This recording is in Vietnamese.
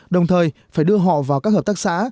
đồng thời phải đưa họ vào các hợp tác xã